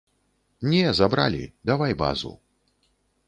Не, забралі, давай базу.